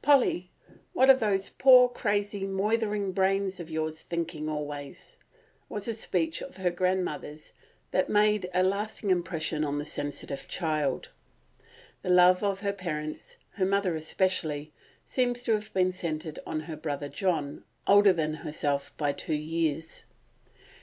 "Polly, what are those poor crazy, moythered brains of yours thinking, always?" was a speech of her grandmother's that made a lasting impression on the sensitive child. The love of her parents, her mother especially, seems to have been centred on her brother John, older than herself by two years.